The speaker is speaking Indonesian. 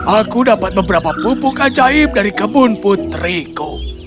aku dapat beberapa pupuk ajaib dari kebun putriku